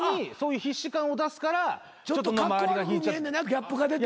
ギャップが出て。